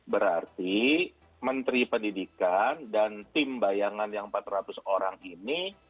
berarti menteri pendidikan dan tim bayangan yang empat ratus orang ini